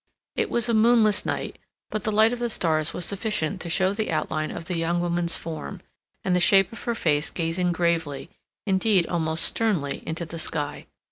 It was a moonless night, but the light of the stars was sufficient to show the outline of the young woman's form, and the shape of her face gazing gravely, indeed almost sternly, into the sky.